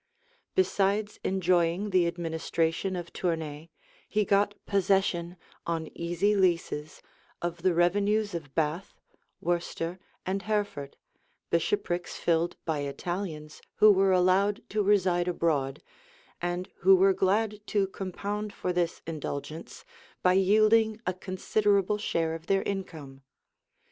Besides enjoying the administration of Tournay, he got possession, on easy leases, of the revenues of Bath, Worcester, and Hereford, bishoprics filled by Italians, who were allowed to reside abroad, and who were glad to compound for this indulgence, by yielding a considerable share of their income.